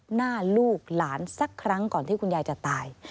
หน้าลูกหลานสักครั้งก่อนที่คุณยายจะตาย